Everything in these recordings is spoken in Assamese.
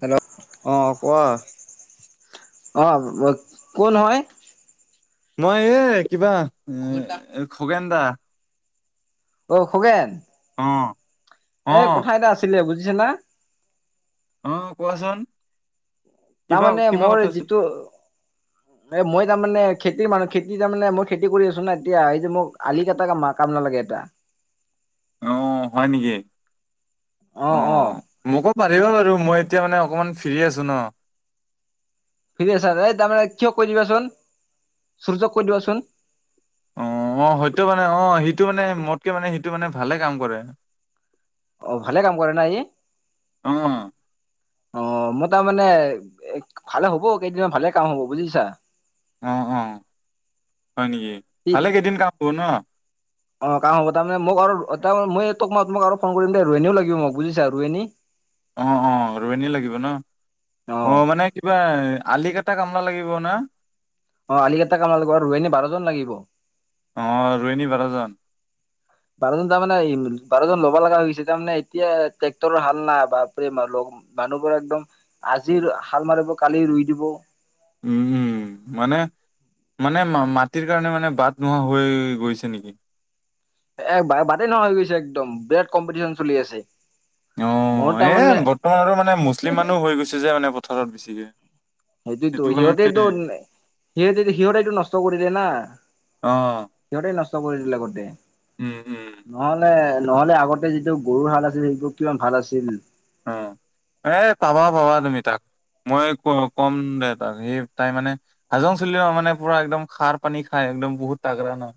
হেল্ল', অ কোৱা অঁহ', -ক? অঁ', -কোন হয়? মই এই কিবা এ' খগেন দা। অ', -খগেন। অঁ',। এই কথা এটা আছিলে বুজিছা না। অঁ', -কোৱাচোন? কি বা, তাৰমানে কি বা কথা আছিল? এই মই তাৰমানে খেতিৰ মানুহ খেতি তাৰমানে মই খেতি কৰি আছো না এতিয়া এই যে মোক আলি কটা কাম লাগে এটা। অ', হয় নেকি! অ', -অ',। মোকো পাৰিবা বাৰু মই এতিয়া মানে অকণমান ফ্ৰী আছো ন! ফ্ৰী আছা যে এই তাৰমানে কিয় কৈ দিবাচোন, সূৰ্যক কৈ দিবাচোন! অ',। অ', -অ', হয়তো মানে অ', সিটো মানে মোতকে মানে সিটো মানে ভালে কাম কৰে। অ', ভালে কাম কৰে না ই! অ অ অঁহ', মই তাৰমানে, এ ভালে হ'ব কেইদিনমান ভালে কাম হব বুজিছা! অ', -অ', -হয় নেকি! সি ভালে কেইদিন কাম হ'ব ন! অ', কাম হ'ব তাৰ মানে মোক আৰু ত মই তোক মই তোমাক আৰু ফোন কৰিম দে ৰোৱনীও লাগিব মোক বুজিছা ৰোৱনী! অ', -অ', ৰোৱনী লাগিব ন! অ', মানে কিবা আলি কেইটা কামলা লাগিব না? অঁহ', আলিকটা কামলা লাগিব আৰু ৰোৱনী বাৰজন লাগিব। অ', ৰোৱনী বাৰজন। বাৰজন তাৰমানে বাৰজন ল'ব লগা হৈ গৈছে তাৰ মানে এতিয়া ট্ৰেক্টৰৰ হাল না বাপৰে মানুহবোৰে একদম, আজি হাল মাৰিব কালি ৰুই দিব। উম, উম, মানে মানে মাটিৰ কাৰণে মানে বাট নোহোৱা হৈ গৈছে নেকি? এ বাটেই নোহোৱা হৈ গৈছে একদম বিৰাট কম্পিটিশ্যন চলি আছে। মোৰ অঁহ', তাৰমানে এই বৰ্তমানৰ মানে মুছলিম মানুহ হৈ গৈছে যে মানে পথাৰত বেছিকে। সেইটোৱেতো সেইটো কাৰণে সিহঁতেটো, সিহঁতে-সিহঁতেইটো নষ্ট কৰি দিয়ে না! অ' সিহঁতেই নষ্ট কৰিলে গোটেই। উম, উম,। নহলে-নহলে আগতে যিটো গৰু হাল আছিল সেইবোৰ কিমান ভাল আছিল। অঁহ', -এ পাবা -পাবা তুমি তাত। মই ক ক'ম দে তাক, সেই তাই মানে হাজং ছোৱালী ন মানে পুৰা একদম খাৰ পানী খাই একদম বহুত তাগ্ৰা নহ!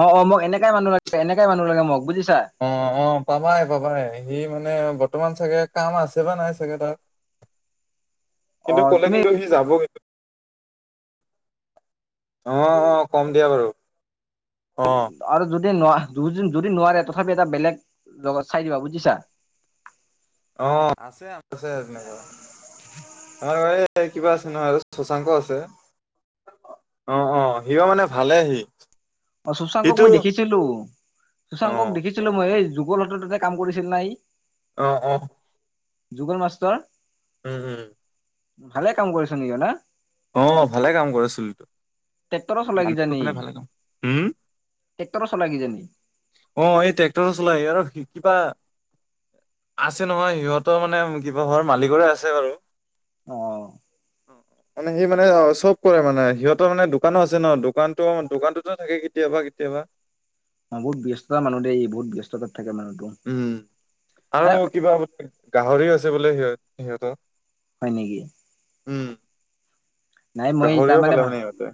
অ', -অ', মোক এনেকাই মানুহ লাগে এনেকাই মানুহ লাগে মোক বুজিছা। অঁহ', -অঁহ', পাবাই- পাবাই সি মানে বৰ্তমান চাগে কাম আছে বা নাই চাগে তাৰ। অ কিন্তু ক'লে তুমি কিন্তু সি যাবগে। অ', - অ', কম দিয়া বাৰু। অ',। আৰু যদি ন যদি নোৱাৰে তথাপি এটা বেলেগ, জেগাত চাই দিবা বুজিছা? অঁহ', আছে আছে তেনেকুৱা। অ', এই কিবা আছে নহয় আৰু শোশাংক আছে। অ', - অ', সিয়ো মানে ভালে সি। অ', শুশাংকক সিটো মই দেখিছিলোঁ, অ শুশাংকক দেখিছিলোঁ মই এই যুগল হতত তাতে কাম কৰিছিল না সি। অ', - অ',। যুগল মাষ্টৰ। উম, উম। ভালে কাম কৰিছে নেকি না? অঁহ', ভালে কাম কৰিছিল, ট্ৰেক্টৰো চলাই মানুহ টো মানে ভালে কাম, হুম! টেক্টৰ চলাই কিয়া নি! অ', এই ট্ৰেক্টৰো চলাই আৰু সি কিবা। আছে নহয় সিহঁতৰ মানে কিবা ঘৰ মালিকৰে আছে বাৰু। অ'। মানে সি মানে চ'ব কৰে মানে সিহঁতৰ মানে দোকানো আছে ন' দোকানতো, দোকানতটোত থাকে। কেতিয়াবা, কেতিয়াবা। অ', বহুত ব্যস্ততা মানুহ দে ই বহুত ব্যস্ততাত থাকে মানুহটো। উম, এ আৰু কিবা বোলে গাহৰি আছে বোলে সিহঁতৰ। হয় নেকি? উম, নাই মই গাহৰিও তাৰমানে পালে মানে সিহঁতে।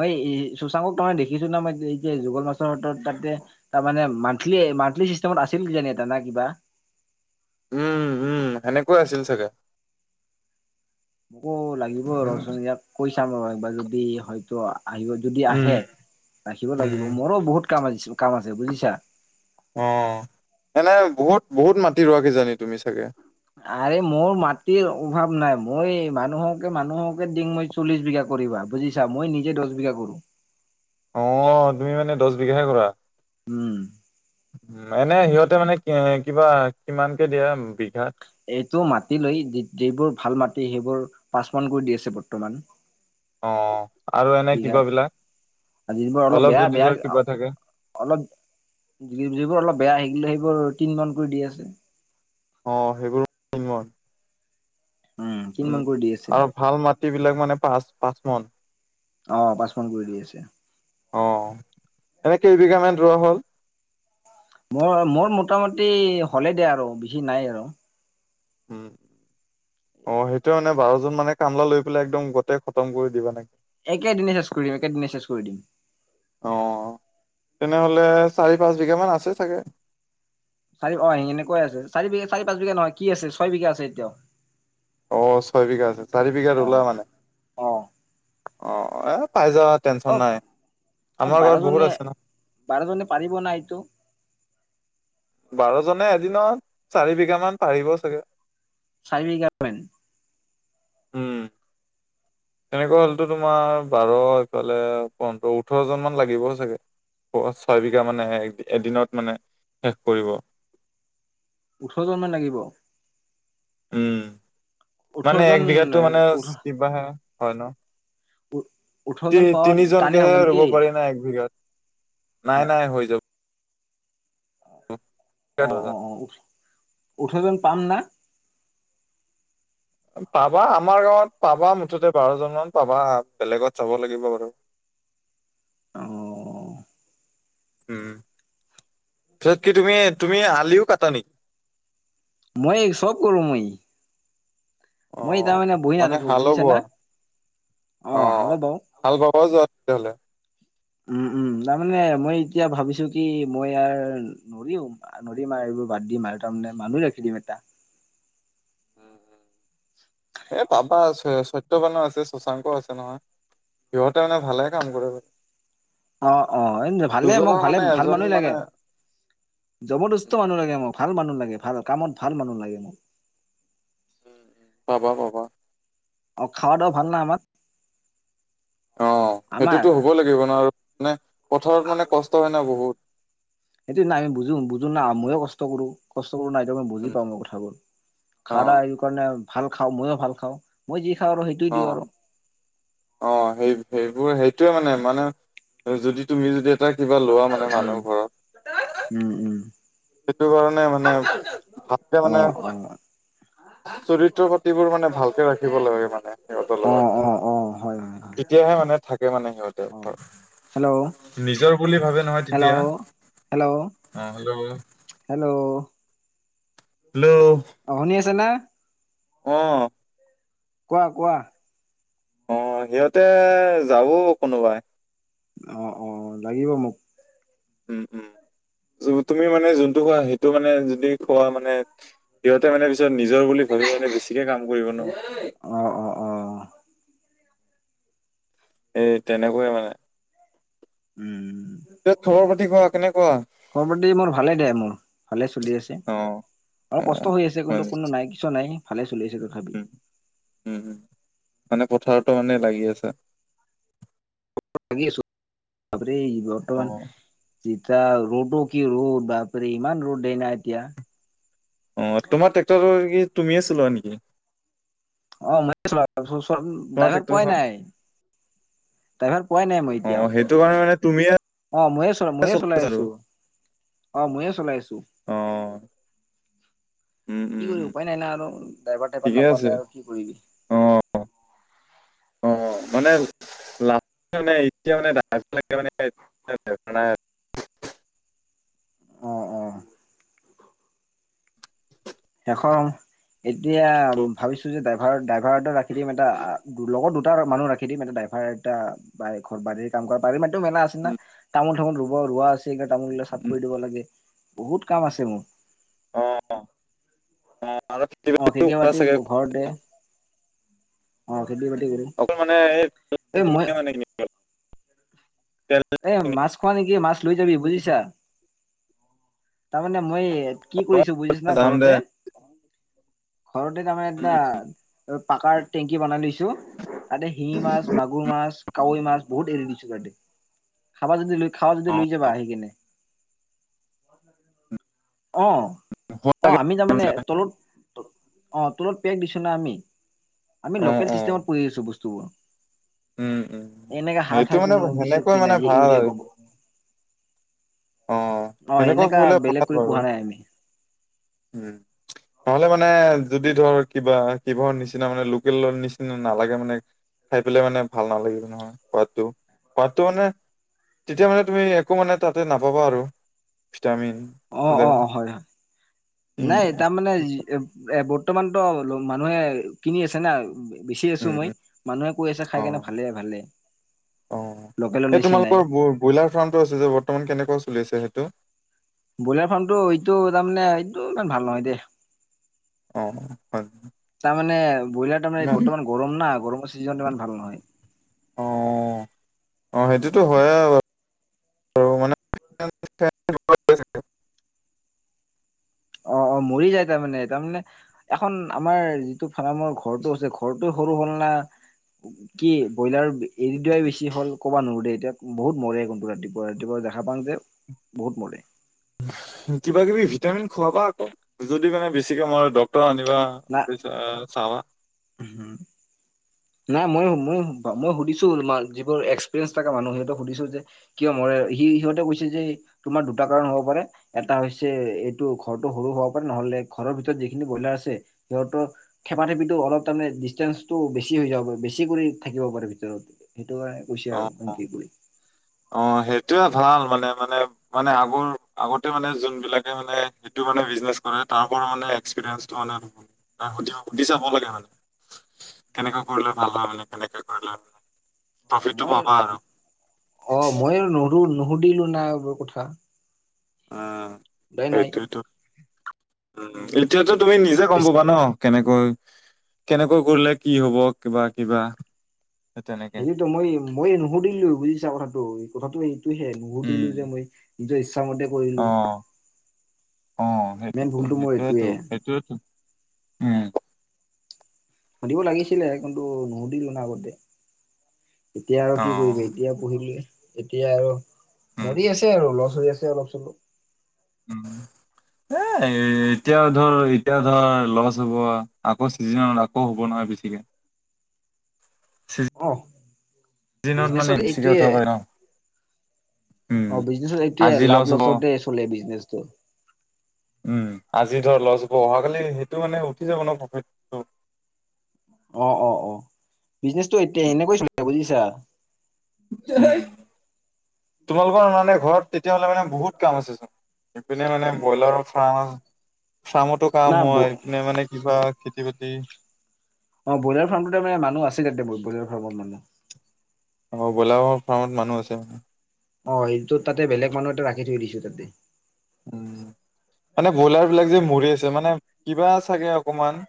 মই এই চুশাংকক তাৰমানে দেখিছোঁ না মই এই যে যুগল [unintelligible] মাছৰ তাতে তাৰ মানে মান্থলি, মান্থলি চিষ্টেমত আছিল জানি [unintelligible] এটা না কিবা। উম, উম সেনেকুৱা আছিল চাগে। মোকো লাগিব ৰ'চোন ইয়াক কৈ চাম ৰ একবাৰ যদি হয়তো আহিব। যদি উম, আহে ৰাখিব লাগিব উম, মোৰো বহুত কাম কাম আছে বুজিছা। অ' এনেই বহুত বহুত মাটি ৰোৱা কিজানি তুমি চাগে? আৰে মোৰ মাটিৰ অভাৱ নাই মই মানুহকে, মানুহকে ডিঙ মই। চল্লিশ বিঘা কৰিবা বুজিছা। মই নিজে দহ বিঘা কৰোঁ। অ' তুমি মানে দহ বিঘাহে কৰা উম এনে সিহঁতে মানে কিবা কিমানকে দিয়া বিঘাত? এইটো মাটি লৈ যিবোৰ ভাল মাটি সেইবোৰ পাঁচ মন কৰি দি আছে বৰ্তমান। অ' আৰু এনে কিবা বিঘাত আৰু যিবোৰ বিলাক অলপ বেয়া যদি বেয়া ধৰ কিবা থাকে? অলপ যিবোৰ অলপ বেয়া সিবিলাক সেইবোৰ তিনি মান কৰি দি আছে। অ' সেইবোৰ। তিনমন তিন উম মান কৰি দি আছে আৰু ভাল মাটি বিলাক মানে পাঁচ, পাঁচ মান? অ', পাঁচ মন কৰি দি আছে। অ' এনে কেই বিঘামান ৰোৱা হ'ল? মোৰ, মোৰ মোটামুটি হ'লে দে আৰু বেছি নাই আৰু উম। অ', সেইটোয়ে মানে বাৰজন মানে কামলা লৈ পেলাই একদম গোটেই খতম কৰি দিবা নেকি? একে দিনে চেজ কৰিম, একে দিনে চেজ কৰি দিম। অ' তেনেহ'লে চাৰি -পাঁচ বিঘা মান আছে চাগে? চাৰি অ' এনেকুৱাই আছে চাৰি -পাঁচ বিঘা নহয়, কি আছে ছয় বিঘা আছে এতিয়া! অ' ছয় বিঘা আছে চাৰি বিঘাত অ ৰুলা মানে? অ'। অ', এ, পাই যাবা, টেনশ্যন অ নাই আমাৰ গাওঁত বহুত বাৰজনে আছে ন! বাৰজনে পাৰিব ন' এইটো? বাৰজনে এদিনত চাৰি বিঘা মান পাৰিব চাগে। চাৰি বিঘামান? উম। তেনেকুৱা হ'লেতো তোমাৰ বাৰ এইফালে পোন্ধৰ ওঠৰ জন মান লাগিব চাগে। প [unintelligible] ছয়বিঘা মানে এদিনত মানে শেষ কৰিব। ওঠৰ জন মান লাগিব। উম, ওঠৰ মানে এক জন বিঘাতটো মানে কিবা হে হয় ন? ওঠৰ তি, জন পাৱাত তিনি টানে হ'ব জনকেহে ৰুব নেকি পাৰি না এক বিঘাত নাই হয় নাই হৈ যাব। অ [inaudible] অ', অ', অ', ওঠৰ জন পাম না? পাবা আমাৰ গাঁৱত পাবা মুঠতে বাৰজনমান পাবা বেলেগত যাব লাগিব। অ। উম পিছত কি তুমি তুমি আলিও কাটানি মই চব কৰো মই। অ মই তাৰমানে বহি মানে নাথাকো হালো বুজিছা বোৱা না অ হালো বাওঁ। হাল বাবও যোৱা তেতিয়াহ'লে? উম উম তাৰমানে মই এতিয়া ভাবিছো কি মই ইয়াৰ আৰু নদী মাৰ এইবোৰ বাদ দিম আৰু তাৰমানে মানুহ ৰাখি দিম এটা। এ পাপা আছে সত্যবানো আছে শশাংক আছে নহয়। সিহঁতে মানে ভালে কাম কৰে। অ অ ভালে মোক দুজনৰ ভালে মানে ভাল এজন মানুহ মানে লাগে। জবৰদস্ত মানুহ লাগে মোৰ ভাল মানুহ লাগে ভাল কামত ভাল মানুহ লাগে মোক। পাবা পাবা। অ খাওঁ তো ভাল নে আমাৰ। অ আমাৰ সেইটোতো হ'ব লাগিব ন মানে পথাৰত মানে কষ্ট হয় ন বহুত। সেইটো নাই আমি বুজো বুজো না ময়ো কষ্ট কৰো। কষ্ট কৰো নাই মই বুজি পাওঁ মই কথাবোৰ অ খানা সেইটো কাৰণে ভাল খাওঁ মইয়ো ভাল খাওঁ। মই যি খাওঁ আৰু সেইটোৱেই অ দিওঁ আৰু। অ সেই সেইবোৰ সেইটোৱে মানে মানে যদি তুমি যদি এটা কিবা লোৱা মানে উম মানুহ ঘৰত। উম উম। সেইটো কাৰণে মানে ভালকে অ মানে চৰিত্ৰ পাতিবোৰ মানে ভালকে ৰাখিব লাগে মানে সিহঁতক। অ অ অ, হয় হয়। হয় তেতিয়াহে মানে থাকে মানে সিহঁতে অ ঘৰত। হেল্ল' নিজৰ বুলি ভাবে নহয় তেতিয়া হেল্ল' হেল্ল' অ হ'লেও হেল্ল' হেল্ল' অ শুনি আছে নে? অ। কোৱা কোৱা। অ সিহঁতে যাব কোনোবাই। অ অ অ লাগিব মোক। উম উম তুমি মানে যোনটো খোৱা সেইটো মানে যদি খোৱা মানে সিহঁতে মানে পিছত নিজৰ বুলি ভাবি মানে বেছিকে কাম কৰিব ন। অ, অ, অ। এই তেনেকৈ মানে উম খবৰ পাটি কোৱা কেনেকুৱা? খবৰ পাতি মোৰ ভালেই দে মোৰ ভালে চলি আছে। অ অলপ কষ্ট হৈ আছে কিন্তু হয় কোনো নাই কিছু নাই ভালে চলি আছে তথাপিও। উম উম। মানে পথাৰতো মানে লাগি আছে। লাগি আছোঁ। পথাৰতে অ বৰ্তমান যিটা ৰ'দো কি ৰ'দ বাপৰে ইমান ৰ'দ দেই না এতিয়া? অ' তোমাৰ ট্ৰেক্টৰটো কি তুমিয়ে চলোৱা নেকি? অ, ময়ে চলাওঁ, তাৰ পিছত চোৱা চোন তোমাৰ ড্ৰাইভাৰ পোৱাই ট্ৰেক্টৰখন নাই৷ ড্ৰাইভাৰ পোৱাই নাই মই এতিয়ালৈকে। ত'মাৰনে তুমিয়ে অ', ময়ে চলাওঁ, ময়ে চলাই চলাইছা আৰু আছোঁ, অ', ময়ে চলাই আছোঁ৷ অ'। উম, উম, কি কৰি উম, উপায় নাই না আৰু ড্ৰাইভাৰ টাইভাৰ ঠিকে আছে নাপালে আৰু কি কৰিবি? অ'। অ', মানে [unintelligible] মানে এতিয়া মানে লে মানে [unintelligible] মানে অ অ এশ, এতিয়া আৰু। ভাবিছো যে ড্ৰাই আৰু ড্ৰাইভাৰ এটা ৰাখি দিম এটা, লগত দুটা মানুহ ৰাখি দিম এটা ড্ৰাইভাৰ এটা বাৰী ঘৰ বাৰী কাম কৰা বাৰী মাটিয়ো মেলা আছে না, উম, তামোল চামোল ৰুব-ৰোৱা আছে। এই [unintelligible] তামোলবিলাক শাক উম, কৰি দিব লাগে, বহুত কাম আছে মোৰ৷ অ', অ', অ', আৰু খেতি বাতি [unintelligible] চাগে ঘৰতে। অ, খেতি উম, বাতি কৰোঁ৷ অকল মানে এই [unintelligible] মানে [unintelligible] তেল এ, মাছ খোৱা নেকি, মাছ লৈ যাবি বুজিছা, তাৰমানে মই কি হয়, কৰিছো বুজিছা না? যাম দে ঘৰতে ঘৰতে তাৰমানে উম, উম, এটা পাকাৰ টেংকি বনাই লৈছোঁ৷ তাতে শিঙি মাছ, মাগুৰ মাছ, কাৱৈ মাছ বহুত এৰি দিছোঁ তাতে৷ খাবা যদি লৈ খাৱা যদি অ', লৈ যাবা আহি কিনে৷ অ', হ'ব অ', লাগে আমি মানে তলত অ', তলত পেক দিছোঁ না আমি, আমি অ', লোকেল অ', চিষ্টেমত [unintelligible] আছোঁ বস্তুবোৰ, উম, উম, এনেকা সেইটো হাৰ-সাৰ মানে কোনো কিছু সেনেকৈ কি নাই মানে যে ভাল ইউৰিয়া আৰু গ অ', সেনেকুৱা এনেকা কৰিলে [unintelligible] বেলেগ ল কৰি বাৰু, পোহা নাই আমি। উম। নহ'লে মানে, যদি ধৰ কিবা কিহৰ নিচিনা মানে লোকেলৰ নিচিনা নালাগে মানে খাই পেলাই মানে ভাল নালাগিব নহয় সোৱাদটো, সোৱাদটো মানে তেতিয়া মানে তুমি একো মানে তাতে নাপাবা আৰু, ভিটামিন৷ অ', চিটামিন। অ', হয়, হয়, উম, নাই তাৰমানে যি এ, বৰ্তমানতো মানুহে কিনি আছে না। বেচি আছো উম, মই, উম, মানুহে কৈ আছে খাই কেনে অ', ভালে ভালে, অ'। লোকেলৰ এই নিচিনাই৷ তোমালোকৰ ব- ব্ৰইলাৰ ফাৰ্মটো আছে যে বৰ্তমান কেনেকুৱা চলি আছে সেইটো? ব্ৰইলাৰ ফাৰ্মটো এইটো তাৰমানে এইটো ইমান ভাল নহয় দে৷ অ'। হয়। তাৰমানে, ব্ৰইলাৰ তাৰমানে ইমান বৰ্তমান গৰম না, গৰমৰ চিজনত ইমান ভাল নহয়৷ অ', অ', সেইটোতো হয় [unintelligible] আৰু আৰু মানে [inaudible] অ', অ', মৰি যায় তাৰমানে তাৰমানে এখন আমাৰ যিটো ফাৰামৰ ঘৰটো আছে ঘৰটো সৰু হ'ল না কি ব্ৰইলাৰ এৰি দিয়াই বেছি হ'ল ক'বা নোৱাৰো দে এতিয়া বহুত মৰে কিন্তু ৰাতিপুৱা৷ ৰাতিপুৱা দেখা পাওঁ যে বহুত মৰে৷ কিবা কিবি ভিটামিন খুৱাবা আকৌ, যদি মানে বেছিকে মৰে ডক্তৰ আনিবা৷ না চা-চাৱা। হুম। নাই ময়ো-ময়ো-মই সুধিছোঁ যিবোৰ এক্সপিৰিয়েঞ্চ থকা মানুহ সিহঁতক সুধিছোঁ যে কিয় মৰে? সি-সিহঁতে কৈছে যে তোমাৰ দুটা কাৰণ হ'ব পাৰে এটা হৈছে এইটো ঘৰটো সৰু হব পাৰে, নহলে ঘৰৰ ভিতৰত যিখিনি ব্ৰইলাৰ আছে সিহঁতৰ থেপা-থেপিটো অলপ তাৰমানে ডিষ্টেন্ঞ্চটো বেছি হৈ যাব পাৰে, বেছি কৰি থাকিব পাৰে ভিতৰত সেইটো কাৰণে কৈছে অ', আৰু ক'ম অ'। কি কৰি? অ, সেইটোয়ে ভাল মানে মানে মানে আগৰ, আগতে মানে যোন বিলাকে মানে সেইটো মানে বিজনেছ কৰে, তাৰ পৰা মানে এক্সপিৰিয়েঞ্চটো মানে তাক সুধি চাব লাগে মানে। কেনেকে কৰিলে ভাল হয় মানে? কেনেকে কৰিলে প্ৰফিটটো মই পাবা আৰু অ, মইও নোৰু নুশুধিলো না এইবোৰ কথা। অ', উপাই নাই সেইটোয়তো, উম, এতিয়াতো তুমি নিজে গম পাবা ন? কেনেকৈ? কেনেকৈ কৰিলে কি হ'ব? কিবা- কিবা। সেই তেনেকে সেয়েটো মই ময়ে নুশুধিলো, বুজিছা কথাটো? কথাটো এইটোহে, উম নুশুধিলো যে মই। নিজৰ ইচ্ছা মতে অ', অ', মেইন ভুলতো মোৰ এইটোৱে সেইটো-সেইটোয়েটো সেইটোয়োটো। উম, সুধিব লাগিছিলে, কিন্তু নুশুধিলো না আগতে এতিয়া আৰু অ কি কৰিবা? এতিয়া পুহি এতিয়া আৰু উম মৰি আছে আৰু, লছ হৈ আছে অলপ-চলপ। উম, ধে এ, এতিয়া ধৰ, এতিয়া ধৰ লছ হ'ব, আকৌ চিজনত আকৌ হ'ব নহয় বেছিকে। অ', চিজনত মানে বিজনেচত বেছিকে এইটোৱে। উঠাব পাৰে ন উম অ', বিজনেছত এইটোৱে আজি লছ লাভ হ'ব লচতে চলে বিজনেছটো। উম, আজি ধৰ লছ হ'ব, অহাকালি সেইটো মানে উঠি যাব ন প্ৰফিট। অ'-অ'-অ' বিজনেচটো এতিয়া এনেকৈ চলে বুজিছা? [unintelligible] তোমালোকৰ মানে ঘৰত, তেতিয়া হলে মানে বহুত কাম আছে চোন। এইপিনে মানে ব্ৰইলাৰৰ ফাৰ্ম, ফাৰ্মতো না কাম হয়, এইপিনে মানে কিবা খেতি বাতি অ', ব্ৰলাৰ ফাৰ্মটোটে মানে মানুহ আছে [unintelligible] ব্ৰইলাৰ ফাৰ্মত মানুহ। অ, ব্ৰইলাৰৰ ফাৰ্মত মানুহ আছে। অ', এইটো তাতে বেলেগ মানুহ এটা ৰাখি থৈ দিছো তাতে। মানে ব্ৰইলাৰ বিলাক যে মৰি আছে, মানে কিবা চাগে অকমান